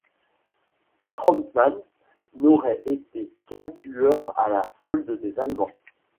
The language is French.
Troppmann n'aurait été qu'un tueur à la solde des Allemands.